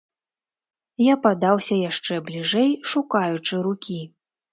Я падаўся яшчэ бліжэй, шукаючы рукі.